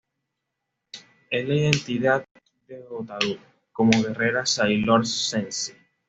Es la identidad de Hotaru como guerrera Sailor Senshi.